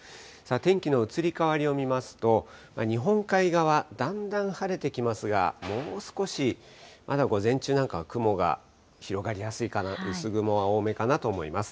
天気の移り変わりを見ますと、日本海側、だんだん晴れてきますが、もう少し、まだ午前中なんかは雲が広がりやすいかなと、薄雲は多めかなと思います。